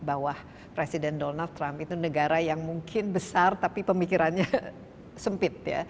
di bawah presiden donald trump itu negara yang mungkin besar tapi pemikirannya sempit